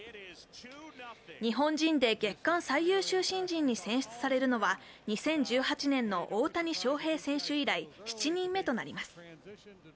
日本人で月間最優秀新人に選出されるのは２０１８年の大谷翔平選手以来７人目となります。